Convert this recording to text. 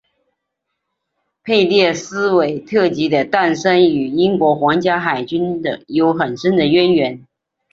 佩列斯韦特级的诞生与英国皇家海军的有很深的渊源。